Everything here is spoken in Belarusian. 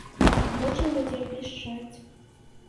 Вочы ў людзей блішчаць.